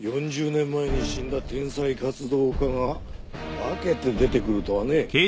４０年前に死んだ天才活動家が化けて出てくるとはね。